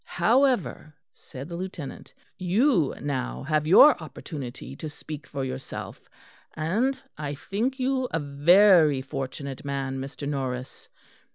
"However," said the Lieutenant, "you now have your opportunity to speak for yourself, and I think you a very fortunate man, Mr. Norris.